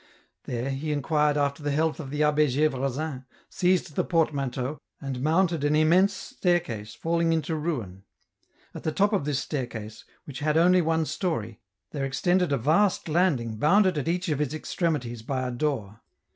There, he inquired after the health of the Abbd G^vresin, seized the portmanteau, and mounted an immense stair case falling into ruin. At the top of this staircase, which had only one story, there extended a vast landing bounded at each of its extremities by a door.